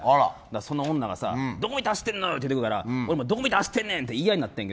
その女がどこ見て走ってんのよって言ってくるから俺もどこ見て走ってんねんって言い合いになって。